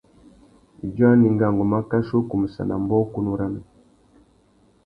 Idjô anénga, ngu mà kachi u kumsana mbōkunú râmê.